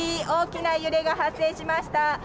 大きな揺れが発生しました。